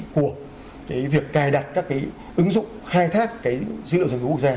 của cái việc cài đặt các cái ứng dụng khai thác cái dữ liệu dân cư quốc gia